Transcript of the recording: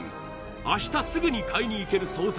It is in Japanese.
明日すぐに買いに行ける惣菜